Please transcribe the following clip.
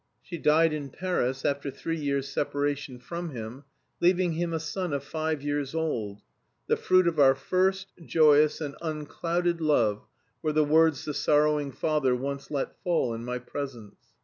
She died in Paris after three years' separation from him, leaving him a son of five years old; "the fruit of our first, joyous, and unclouded love," were the words the sorrowing father once let fall in my presence.